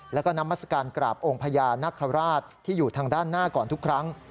แล้วก็นามัศกาลกราบองค์พญานคราชที่อยู่ทางด้านหน้าก่อนทุกครั้ง